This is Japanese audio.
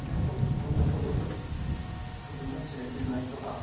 トップさんだとやっぱりトップさんでいなくちゃいけないとか。